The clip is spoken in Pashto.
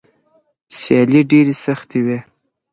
سیالۍ ډېرې سختې وي.